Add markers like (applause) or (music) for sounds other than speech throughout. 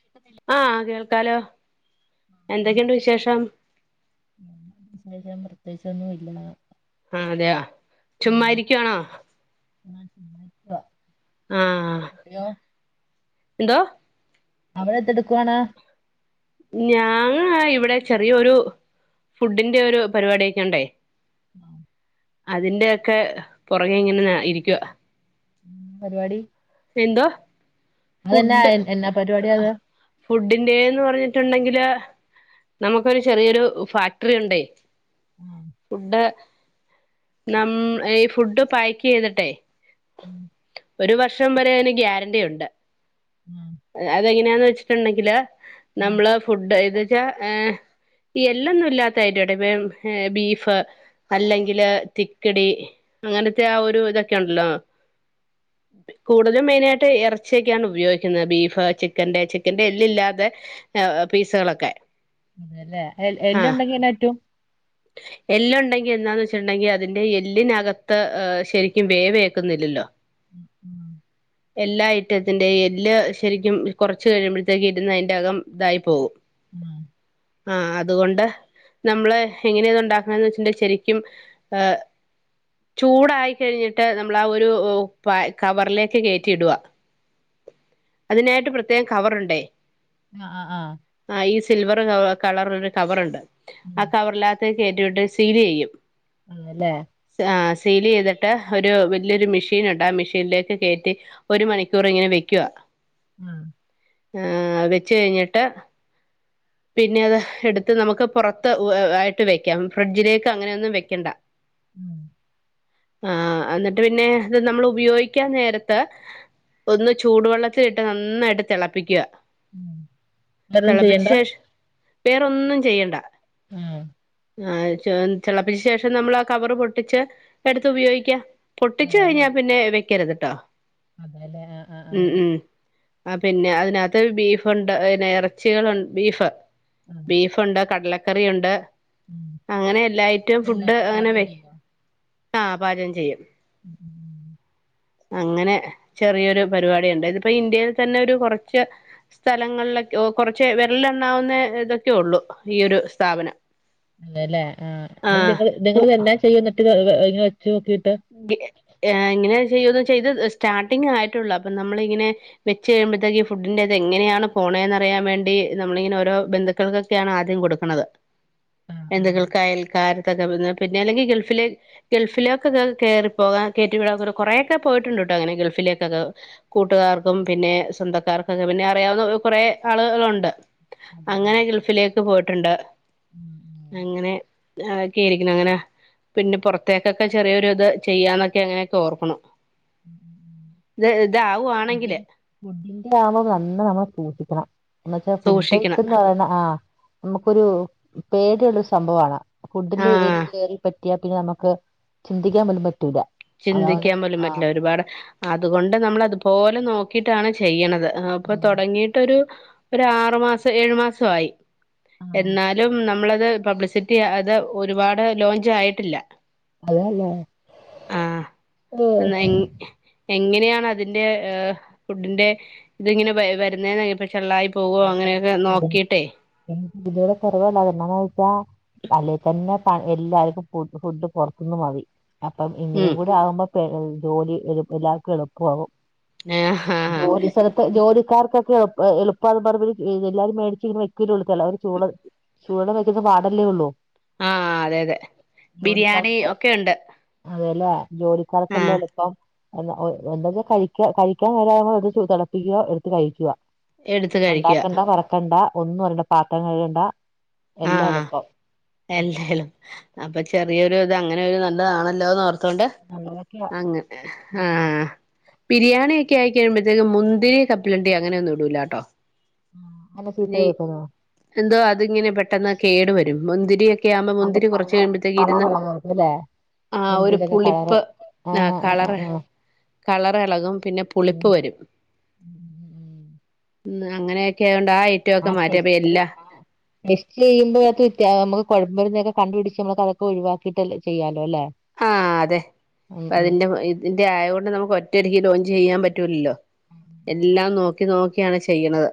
കേക്കുന്നില്ല ആഹ് കേൾക്കാലോ എന്തൊക്കെണ്ട് വിശേഷം വിശേഷം പ്രത്യേകിച്ചൊന്നു ല്ല ആഹ് അതെയോ ചുമ്മാ ഇരിക്കുവാണോ ആഹ് ചുമ്മാരിക്കുവാ ആഹ് ആഹ് ഹലോ എന്തോ അവിടെ എന്തിടുക്കുവാണ്? ഞാങ്ങ ഇവിടെ ചെറിയൊരു ഫുഡിന്റെ ഒരു പരിപാടിയൊക്കെ ണ്ടേ? ആ അതിന്റെൊക്കെ പുറകെ ഇങ്ങനെ ഇരിക്കുവ. പരിവാടി എന്തോ ഫുഡ് എ- എന്നാ പരിപാടി ആ അത് ഫുഡിന്റെന്ന് പറഞ്ഞിട്ടുണ്ടെങ്കില് നമുക്കൊരു ചെറിയൊരു ഫാക്ടറി ഉണ്ടേ ആ, ഫുഡ് നം ഈ ഫുഡ് പാക്കി യ്തിട്ടെ ഉം, ഒരു വർഷം വരെ അതിന് ഗ്യാരണ്ടി ഉണ്ട് ഉം, അതെങ്ങനെയാന്നെ ച്ചിട്ടുണ്ടെങ്കില് ഉം, നമ്മള് ഫുഡ് എത് വെച്ചാ ഈ എല്ലാന്നും ഇല്ലാത്തായിട്ട് ബീഫ് അല്ലെങ്കില് തിക്കിടി അങ്ങനത്തെ ആ ഒരു ഇതൊക്കെണ്ടല്ലോ? കൂടുതലും മെയിനായിട്ട് ഇറച്ചിയൊക്കെയാണ് ഉപയോഗിക്കത് ബീഫ് ചിക്കന്റെ ചിക്കന്റെ എല്ലി ല്ലാതെ പീസ്കളൊക്കെ അതെ എൽഎല്ലുണ്ടെങ്കിനറ്റും ഹ് എല്ലുണ്ടെങ്കി എന്താന്ന് വെച്ചിട്ടുണ്ടെങ്കിൽ അതിന്റെ എല്ലിനകത്ത് ശരിക്കും വേവേക്കുന്നില്ലല്ലോ? (unintelligible) എല്ലാ ഐറ്റത്തിന്റെ എല്ല് ശരിക്കും കുറച്ച് കഴിയുമ്പോഴത്തേക്കും ഇരുന്ന അയിന്റെകം ഇതായി പോകും. ഉം, ആ അതുകൊണ്ട് നമ്മള് എങ്ങനെയു ണ്ടാക്കണന്ന് വെച്ചിട്ടുണ്ടങ്കിൽ ശരിക്കും ചൂടായി കഴിഞ്ഞിട്ട് നമ്മൾ ആ ഒരു കവറിലേക്ക് കയറ്റി ഇടുവ. അതിനായിട്ട് പ്രത്യേകം കവറുണ്ടേ. അ അ ആ ആ ഈ സിൽവർ കളർ ഒരു കവർണ്ട് ആ ഉം, കവറല്ലകത്ത് കേയറ്റിവിട്ട് സീലിയ്യും. ആണല്ലേ? ഹ സീലിയ്തിട്ട് ഒരു വലിയൊരു മെഷീനുണ്ട് ആ മെഷീനിലേക്ക് കയറ്റി ഒരു മണിക്കൂ ചോറ് ഇങ്ങനെ വയ്ക്കുവ. അ ആ വെച്ച് കഴിഞ്ഞിട്ട് പിന്നെ അത് എടുത്ത് നമുക്ക് പുറത്ത് ആയിട്ട് വെക്കാം ഫ്രിഡ്ജിലേക്ക് അങ്ങനെയൊ ന്നും വെക്കെണ്ട. ഉം, ആ് എന്നിട്ട് പിന്നെ ഇത് നമ്മൾ ഉപയോഗിക്കാൻ നേരത്ത് ഒന്ന് ചൂടുവെള്ളത്തിലിട്ട് നന്നായിട്ട് തിളപ്പിക്കുക. ഉം. വേറൊന്നും തിളപ്പിച്ച് ചെയ്യണ്ട ശേഷ് വേറൊന്നും ചെയ്യണ്ട ആ ആ തിളപ്പിച്ച ശേഷം നമ്മളാ കവറ് പൊട്ടിച്ച എടുത്ത് ഉപയോഗിക്ക പൊട്ടിച്ച് കഴിഞ്ഞാ പിന്നെ വെക്കരുത്ട്ടോ? അതേല്ലെ ആ ആ ആ, ഉം ഉം ആ പിന്നെ അതിനകത്ത് ബീഫ്ണ്ട് പിന്നെ ഇറച്ചികൾണ്ട് ബീഫ്. അ അ ബീഫുണ്ട് കടലക്കറിഉണ്ട് ഉം. അങ്ങനെ എല്ലാ ഐറ്റും ഇതെല്ലാം ഫുഡ് അങ്ങനെ പാചകം വെ ചെയ്യുവോ ആ പാചകം ചെയ്യും. (unintelligible) അങ്ങനെ ചെറിയൊരു പരിപാടുണ്ട് ഇതിപ്പോ ഇന്ത്യയിൽ തന്നെ ഒരു കുറച്ച് സ്ഥലങ്ങളിലൊക്കെ കുറച്ച് വെരലെണ്ണാവുന്ന ഇതൊക്കെയൊള്ളു ഈയൊരു സ്ഥാപനം. അതെല്ലെ ആ അത് നി ആഹ് കു നിങ്ങ ഇതെല്ലാം ചെയ്യ എന്നിട്ട് വെച്ച് നോക്കിട്ട്? ഇങ്ങനെ ചെയ്യോന്ന് ചെയ്ത് സ്റ്റാർട്ടിങ് ആയിട്ടുള്ളൂ. അപ്പൊ നമ്മളിങ്ങനെ വെച്ച് കഴിയുമ്പത്തേയ്ക്ക് ഫുഡിന്റെതെങ്ങെയാണ് പോണേന്നറിയാൻ വേണ്ടി നമ്മളിങ്ങന ഓരോ ബെന്ധു ക്കൾക്കൊക്കെയാണ് ആദ്യം കൊട്ക്ക്ണത്. ആഹ് ആഹ് ബെന്തുക്കൾക്കയൽകാർകൊക്കെ (unintelligible) പിന്നെ അല്ലെങ്കി ഗൾഫില് ഗൾഫിലെ ക്കൊക്കെ കേറിപ്പോകാൻ കേറ്റിവിടാ കൊ കൊറെക്കെ പോയിട്ടുണ്ട്ട്ടാങ്ങനെ ഗൾഫിലേക്കക്കെ കൂട്ടുകാർക്കും പിന്നെ സ്വന്തക്കാർക്കൊക്കെ പിന്നെ അറിയാവുന്ന കൊറേ ആളുകളൊണ്ട്. അതെ അങ്ങനെ ഗൾഫിലേക്ക് പോയിട്ടുണ്ട്. ഉം, ഉം. അങ്ങനെ അക്കെ ഇരി (unintelligible) അങ്ങനെ പിന്നെ പൊറത്തേക്ക് ക്കെ ചെറിയൊരുത് ചെയ്യാന്നൊക്കെ അങ്ങനെയൊക്കെ ഓർക്കുണു. (unintelligible) ത് താവുവാണെങ്കില്. ഫുഡിന് ഫുഡിന്റെ ആമ്പൊ നന്ന നമ്മൾ പൂട്ടിക്കണം. എന്ന് വെച്ചാ ഫുഡ് സൂക്ഷിക്കണം ഐറ്റംന്ന് പറയുന്ന ആഹ്. അമ്മക്കൊരു പേടിയുള്ളൊരു സംഭവാണ്. ഫുഡില് എരി ആഹ് കേറി പ റ്റിയാ പിന്നെ ഞമ്മക്ക് ചിന്തിയ്ക്കാൻ പോലും പറ്റൂലാ. ചിന്തിയ്ക്കാൻ പോലും പറ്റില്ല. ഒര്പാട് അത്കൊണ്ട് നമ്മളതുപോലെ നോ ക്കീട്ടാണ് ചെയ്യണത്. അ് അപ്പൊ തൊടങ്ങീട്ടൊരു ഒര് ആറ്മാസ ഏഴു മാസൊ ആയി. ആഹ് എന്നാലും നമ്മ്ളത് പബ്ലിസിറ്റി അത് ഒരുപാട് ലോഞ്ച് ആയിട്ടില്ല. അതേല്ലേ. ആഹ്. എന്നാ (unintelligible) എങ്ങനെയാണ് അതിന്റെ ഏ ഫുഡ്ന്റെ ഇതിങ്ങനെ വര് വരുന്നെന്ന് (unintelligible) ചെള്ളായി പോകോ? അങ്ങനെയൊക്കെ ഇപ്പം നോക്കിയിട്ടേയ് (unintelligible) അല്ലേത്തന്നെ പ എല്ലാര്ക്കും ഫു ഫുഡ് പൊറത്ത്ന്ന് മതി. അപ്പം ഇങ്ങിനെയും ഉം കൂടി ആകുമ്പം പെ ജോലി എ എല്ലാർക്കും എളുപ്പു ആകും. ആ ആ ജോലി സലത്ത് ജോലിക്കാർക്കൊക്കെ എൾ എളു അപ്പൊ അത് (unintelligible) എല്ലാരും മേടിച്ച് ഇങ്ങനെ വെക്കലുള്ളൂ എല്ലാരും ചൂള ചൂടെള്ളംവെയ്ക്കുന്ന പാടല്ലേ ഉള്ളൂ. ആഹ്, അതെ അതെ. ബിരിയാണി ഒക്കെ ഒണ്ട്. അതേല്ലേ ജോലിക്കാർക്കെല്ലേ എള്പ്പം. എന്നാ ഒ എന്താച്ചാ കഴിയ്ക്കാ കഴിയ്ക്കാൻ നേരാവുമ്പോ എട്ത്ത് തെളപ്പിക്കുവ എടുത്ത് കഴിയ്ക്കുവ. എടുത്ത് കഴിക്കുക ഒണ്ടാക്കണ്ട പറക്കണ്ട ഒന്നും അറിയണ്ട പാത്രം കഴുകണ്ട എല്ലാം എള്പ്പം. എല്ലാം എള് അപ്പൊ ചെറിയൊരു ത് അങ്ങനെ ഒരു നല്ലതാണല്ലോന്നോർ ത്തോണ്ട് നല്ലതൊക്കെയാ അങ്ങനെ ഉം ആഹ്. ബിരിയാണി ഒക്ക്യേ ആയിക്ക്യയുമ്പഴത്തേക്കും മുന്തിരി കപ്പ്ലണ്ടി അങ്ങനെ ഒന്നും ഇടൂലാട്ടോ. ആഹ്, അല്ല നീ (unintelligible) എന്തോ, അതിങ്ങനെ പെട്ടെന്ന് കേടു വരും മുന്തിരിയ യാവുമ്പം അത് മുന്തിരി കൊറച്ച് കളറ് കഴിയുമ്പോഴത്തേക്കിര്ന്ന് കളറുള്ളതായിരിക്കും അല്ലേ ആഹ് ഒരു മുന്തിരിയുടെയൊക്കെ കളറ് പുളിപ്പ് ആഹ് കളറ് കളറെളകും പിന്നെ പുളിപ്പ് വരും. ഉം അങ്ങനെയൊക്കെ ആയോണ്ട് ആ ഐറ്റൊ ഒക്കെ മാറ്റി. അപ്പ എല്ല ടെസ്റ്റ്‌ ചെയ്യുമ്പോഴത്ത് തേ അമ്മക്ക് കൊഴമ്പരുന്നൊക്കെ കണ്ടു പിടിച്ച് നമ്മളെ അതൊക്കെ ഒഴിവാക്കിയിട്ട് അല്ലെ ചെയ്യാലോ ല്ലെ ഹാഹ്, അതെ പ്പ അതിന്റെ ഇതിന്റെ ആയൊണ്ട് നമുക്ക് ഒറ്റടിയ്ക്ക് ലോഞ്ച് ചെയ്യാൻ പറ്റൂലല്ലോ. ആ, എല്ലാം നോക്കി നോക്കിയാണ് ചെയ്യ്ണത്.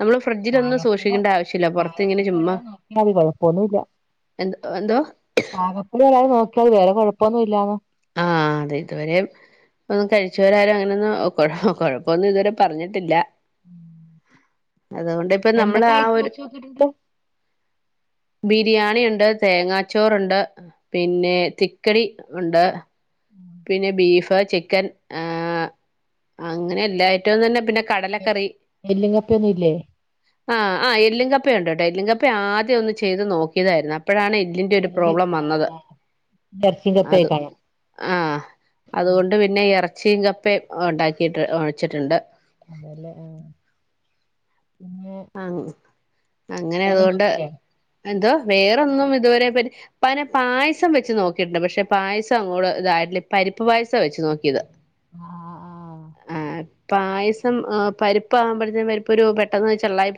നമ്മള് ഫ്രിഡ്ജിലൊന്നും പാകപ്പിഴ സൂക്ഷിക്കെണ്ട ആവശ്യല്ല. പൊറത്തിങ്ങനെ പാകപ്പിഴ ചുമ്മാ വരാതെ നോക്കിയാൽ മതി കുഴപ്പൊന്നുമില്ല എന്ത് എന്തോ ടുവരാതെ നോക്കിയാതി. വേറെ കൊഴപ്പൊന്നും ഇല്ലാതെ ആഹ് അതെ ഇതുവരെ ഒന്നും കഴിച്ചവരാരും അങ്ങനെന്നും കൊഴ കൊഴപ്പൊ ഒന്നും ഇതുവരെ പറഞ്ഞിട്ടില്ല. (unintelligible) അതുകൊണ്ട് ഇപ്പൊ നമ്മള് എന്തൊക്കെ ആ ഐറ്റം ഒര് വെച്ച് നോക്കിയിട്ടുണ്ട് ബിരിയാണി ഉണ്ട്, തേങ്ങാച്ചോറുണ്ട്, പിന്നെ തിക്കടി ഉണ്ട്. (unintelligible) പിന്നെ ബീഫ് ചിക്കൻ ആഹ് അങ്ങനെ എല്ലാ ഐറ്റോന്ന് പറഞ്ഞാ പിന്നെ എ- കടലക്കറി എല്ലും കപ്പയൊന്നും ഇല്ലേ ആ ആഹ് എല്ലും കപ്പയുണ്ട് കേട്ടോ എല്ലുങ്കപ്പ ആദ്യം ഒന്ന് ചെയ്ത് നോക്കിയതായിരുന്നു അപ്പോഴാണ് എല്ലിന്റെ ഒരു എല്ല് പ്രോബ്ലം വന്നത് ആഹ് ആഹ് ഇറച്ചിയും അത്. കപ്പയൊക്കെ കാണും ആ ഉം, അതുകൊണ്ട് പിന്നെ ഇറച്ചിയും കപ്പയും ഉണ്ടാക്കിട്ട് വെച്ചിട്ടുണ്ട്. (inaudible) ആ അങ്ങനെ വേറെ അതുകൊണ്ട് നോക്കില്ലേ എന്തോ വേറൊന്നും ഇതുവരെ പറ്റി പന പായസം വെച്ച് നോക്കിട്ടുണ്ട് പക്ഷെ പായസം അങ്ങോട്ട് ഇതായിട്ടല്ല പരിപ്പ് പായസം വെച്ച് നോക്കിയത്. ആഹ് ആഹ് പായസം പരിപ്പ്കുമ്പഴത്തേന് പരിപ്പ് ഒരു പെട്ടെന്ന് ചള്ളായി.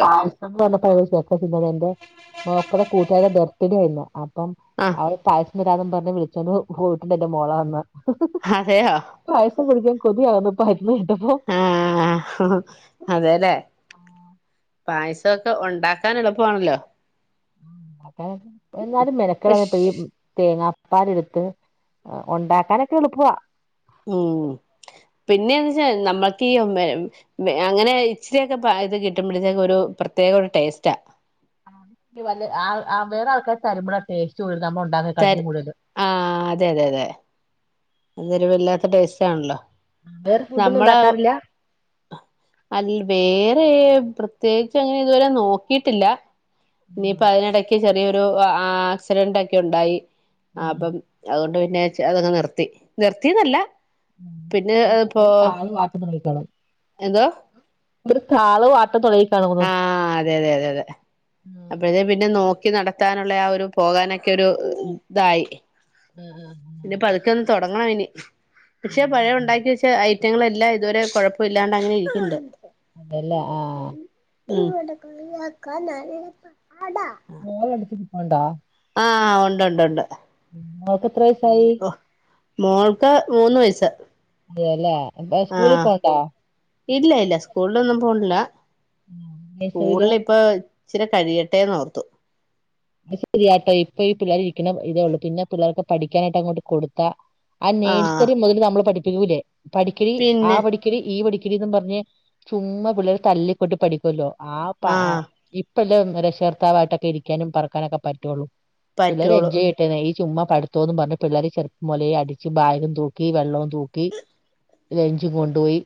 പായസം എന്ന് പറഞ്ഞാൽ വെക്കത്തില്ലാ (unintelligible) മക്കടെ കൂട്ടുകാരന്റെ ബർത്ത് ഡേ ആയിരുന്നു അപ്പം ആഹ് അവള് പായസം തരാന്നും പറഞ്ഞ് വിളിച്ചോണ്ട് പോയിട്ടുണ്ട് എന്റെ മോ െള വന്ന്. അതെയോ? പായസം കുടിക്കാൻ കൊതിയാവുന്നു (unintelligible) കേട്ടപ്പോ. ആഹ അതെല്ലേ? പായസമൊക്കെ ഉണ്ടാക്കാൻ എളുപ്പമാണല്ലോ? എന്നാലും മെനക്കടാന്നിപ്പി. പക്ഷെ തേങ്ങാപ്പാലെ ടുത്ത് ഒണ്ടാക്കാനൊക്കെ എളുപ്പവാ. ഉം പിന്നെന്തച്ചാ നമ്മൾക്ക് ഈ അങ്ങനെ ഇച്ചിരിയൊക്കെ ഇത് കിട്ടുമ്പോഴത്തേക്കും ഒരു പ്രത്യേക ഒരു ടേസ്റ്റാ. ആ വേറെ ആൾക്കാർ തരുമ്പോഴ ടേസ്റ്റ് കൂടുതൽ നമ്മൾ തര് ഒണ്ടാക്കുന്നതിനേക്കാൾ കൂടുതല്. ആഹ് അതെ അതെ അതെ. അതൊരു വല്ലാത്ത ടേസ്റ്റ് ആണല്ലോ വേറെ ഫുഡൊന്നും നമ്മളെ. ഉണ്ടാക്കാറില്ല അ വേറെ പ്രത്യേകിച്ച് അങ്ങനെ ഇതുവരെ നോക്കിട്ടില്ല. ഇനിയിപ്പോ ആഹ് അതിനിടക്ക് ചെറിയൊരു ആക്സിഡന്റ് ഒക്കെ ഒണ്ടായി. ആഹ് അപ്പം അതുകൊണ്ട് പിന്നെ അതൊക്കെ നിർത്തി നിർത്തിന്നല്ല. പിന്നെ ഒരു ഇപ്പോ ഒരു താള് വാട്ടുന്ന കേക്കണം എന്തോ? ഒരു താളവും ആട്ടവും തുടങ്ങി കാണുമെന്ന് അതെ അതെ അതെ അതെ. അപ്പോഴതേ പിന്നെ നോക്കി നടത്താനുള്ള ആ ഒരു പോകാനൊക്കെ ഒരു ഇതായി. ഉം ഉം ഇനിപ്പ പതുക്കൊന്ന് തൊടങ്ങണം ഇനി പക്ഷെ അതല്ലേ പഴേണ്ടാക്കി വെച്ച ഐറ്റങ്ങളെല്ലാം ഇതുവരെ കൊഴപ്പില്ലാണ്ട് അങ്ങനെ ഇരിക്കണ്ട്. അതല്ലേ ആ (unintelligible) (unintelligible) മോളെ അടുത്തിരിപ്പുണ്ടാ ആഹ് ഉണ്ട്ണ്ട് ഉണ്ട് മോൾക്ക് എത്ര വയസ്സായി മോൾക്ക് മൂന്ന് വയസ്സ്. അതെയല്ലേ പ്ലേ സ്കൂളിൽ ആഹ് പോവ്ണ്ടോ? ഇല്ല ഇല്ല സ്കൂളിലൊന്നും പോണില്ല നഴ്സറിയില് സ്കൂളില് ഇപ്പൊ ഇചിരി കഴിയട്ടെ ഓർത്തു. അ ശരിയാട്ടോ ഇപ്പ ഈ പിള്ളേർ ഇരിക്കുന്ന ഇതേ ഉള്ളൂ പിന്നെ പിള്ളേർക്ക് പഠിക്കാനായിട്ട് അങ്ങോട്ട് കൊടുത്താ. ആ ആഹ് നഴ്സറി മുതൽ നമ്മൾ പഠിപ്പിക്കൂല്ലേ പഠിക്കടി ആ പിന്നെ പഠി ക്കടി ഈ പടിക്കടിന്ന് പറഞ് ചുമാ പിള്ളേരെ തല്ലിക്കൊട്ടി പഠിക്കുമല്ലോ ആ പ ആഹ് ഇപ്പ ല്ല രക്ഷകർത്താവായിട്ടൊക്കെ ഇരിക്കാനും പറക്കാനൊക്കെ പറ്റുള്ളൂ പിള്ളേർ പറ്റുള്ളൂ എൻജോയ്. ചെയ്യട്ടെ ഈ ചുമ്മാ പടുത്തോന്ന് പറഞ് പിള്ളേര് ചെറുപ്പം മുതലെ അടിച്ച് ബാഗും തൂക്കി വെള്ളവും തൂക്കി. ലെഞ്ചും കൊണ്ടുപോയി.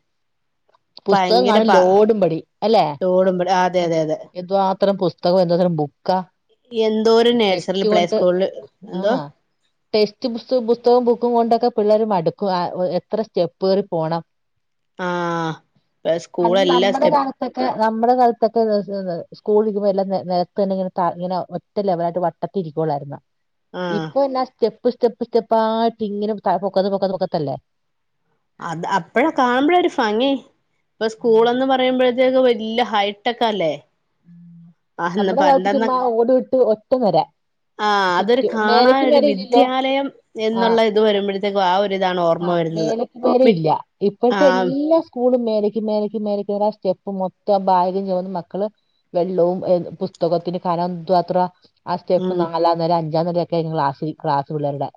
പുസ്തകം ഭയങ്കര കാണും പ ലോഡും പടി അല്ലെ തോടും അതെ അതെ അതെ എന്തുവാ അത്ര പുസ് തകം എന്താ ബുക്കാ? എന്തോ ഒരു നേഴ്സറി ടെസ്റ്റ് പ്ലേ സ്കൂളിൽ എന്തോ? ടെക്സ്റ്റ്സ് പുസ്തകവും ബുക്കും കൊണ്ടൊക്കെ പിള്ളേർ മടുക്കും എത്ര സ്റ്റെപ്പ് കേറി പോണം. (inaudible) ആഹ് അ സ്കൂൾ ത് എല്ലാ നമ്മളെ സ്റ്റെപ്പ് കാലത്ത്. ളൊക്കെ നമ്മുടെ കാലത്തൊക്കെ ത് ത് ഇങ്ങനെ. ഒറ്റ ലെവലായിട്ട് വട്ടത്തിരിക്കള്ളായിുന്ന ആഹ് ഇപ്പൊ എന്നാ സ്റ്റെപ്പ് സ്റ്റെപ്പ് സ്റ്റെപ്പ് ആയിട്ട ഇങ്ങനെ പൊക്കത്ത് പൊക്കത്ത് പൊക്കത്തല്ലേ അത് അപ്പഴാ കാണുമ്പോഴ ഒരു ഭങ്ങേ ഇപ്പൊ ആഹ് സ്കൂൾന്ന് പറയുമ്പോഴ അക്കെ വലിയ ഹൈടെക്കല്ലേ നമ്മുടെ കാലത്ത് ചുമ്മാ ഓട്വിട്ട് ഒറ്റ വരാ ആ അതൊരു കാണൻ ഒരു ഇല്ലല്ലോ വിദ്യാലയം എന്നുള്ള ഇത് വരുമ്പോഴത്തേക്കും ആ ഒ ഒരു ഇതാണ് ഓർമ്മ ആ വരുന്നത് മേലക്ക് നേര ഇല്ല ഇപ്പോഴത്തെ ആഹ് എല്ലാ സ്കൂള മേലേക്ക് മേലേക്ക് മേല ആ സ്റ്റെപ്പ് മൊത്തം ഭാകം ചോന്ന് മക്കള് വെള്ളവും പുസ്തകത്തിന് കാരം എന്തുത്ര ആ സ്റ്റെപ്പ് ഉം നാലാ അര അഞ്ചാം തരയൊക്കെ ക്ലാസ് ക്സ് പിള്ളരുടെ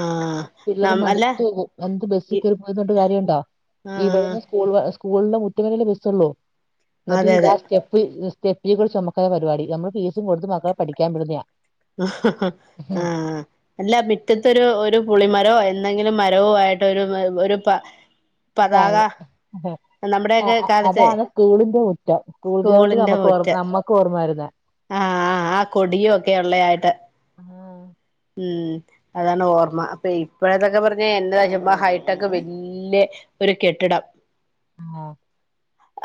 ആഹ് ന പിള്ളേരെ അല്ല മടിച്ചു പോകും എന്ത് ബസിൽ കയറി പോയുന്നണ്ട് കാര്യുണ്ടോ ആഹ് സ്കൂ സ്കൂളെ മുറ്റുവലൽ ബസ്സള്ളൂ എന്നിട്ട് അതെ ഇ അതെ സ്റ്റെഫിയെ കുറി ചുമക്ക പപാടി നമ്മ ഫീസും കൊടുത്തും മക്കെ പഠിക്കാൻ പടുന്നതാ ആഹ് ആഹ് അല്ല പിറ്റത്തരു ഒരു പുളിമരമോ എന്തെങ്കിലും മരവോ ആയിട്ടൊ ഒരു ഒരു അത പതാക അതെ ആ നമ്മുടെയൊക്കെ കാലത്ത് അതാണ് സ്കൂളിന്റെ മുറ്റം സ്കൂൾ ഗ്രൗണ്ട് നമുക്ക് ഓർ നമ്മക്ക് ഓർമ്മരുന്ന ആഹ ആ ആ കൊടിയും ഒക്കെ ഉള്ള ആായിട്ട് ഉം അതാണ് ഓർമ്മ അപ്പൊ ഇപ്പോഴതൊക്കെ പറഞ്ഞ എ്റെ നജമ്മ ഹൈടെക്ക് വല്യ ഒരു കെട്ടിടം ആഹ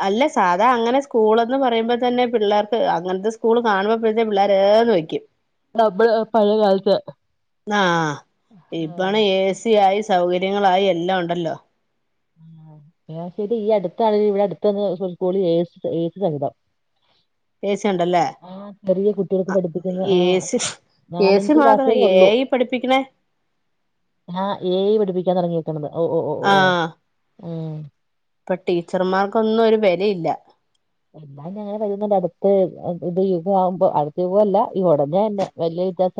അല്ലെ സാധാ അങ്ങനെ സ്കൂൾന്ന് പറയുമ്പോ തന്നെ പിള്ളേർക്ക് അങ്ങനത്തെ സ്കൂള് കാണുമ്പപ്പോഴത്തെേ പിള്ളേർന്ന് വയ്ക്കും നമ്മള് പഴയ കാലത്ത് ആഹ ഇപണ ആഹ് ഏ സ ആായി സൗകര്യങ്ങളായി എല്ലാം ഉണ്ടല്ലോ ആം ശരി ഈ അടുത്താണെ ഇവിടെ അടുത്തന്ന്ള ഏ കതം പേസി സുണ്ടല്ലേ ആ ചെറിയ കുട്ടികൾക്ക് പഠിപ്പിക്കുന്ന ആ സി എ സി നാലഞ്ച് ക്ലാസ് മാത്രം വരെ എ ഉള്ളു ഐ പഠിപ്പിക്കണേ ആ ഏ പഠിപ്പിക്കാൻ തുടങ്ങിയിരിക്കുന്നത് ഓ ഓ ഓ ആഹ് ഉം ഇപ്പൊ ടീച്ചർമാർക്കൊന്നും ഒരു വിലയില്ല എല്ലാം ഞങ്ങനെ വുന്നണ്ട് അടുത്ത് ഇത് യുഗംമാവുമ്പോ അടുത്ത യുഗമല്ല ഈ ഉടനെ തന്നെ വലിയ വിത്ം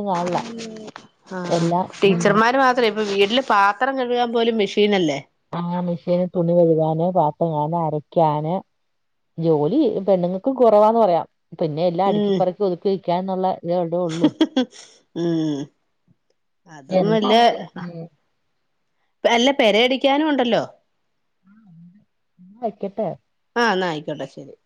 ആ ഉം ടീച്ചർമാര് മാത്രേ അപ്പൊ വീട്ടില് പാത്രം കഴുകാൻ പോലും മെഷീനല്ലേ ആ ആ മെഷീന് തുണി വരുവാന് പാത്തങ്ങാന് അരക്കാന് ജോലി പെണ്ണുങ്ങൾക്ക് കുറവാന്ന് പറയാം പിന്നെ എല്ലാം ഉം അടുക്കിപ്പറക്കി ഒതുക്കിയിിക്കാ എന്നുള്ള ഉം അതന്നല്ല എന്താണെങ്കിലും ഉം അല്ല പെരയടിക്കാനും ഉണ്ടല്ലോ ആ എന്നന്ത വയ്ക്കട്ടെ ആഹ് എന്നാൽ ആയിക്കോട്ടെ ശെരി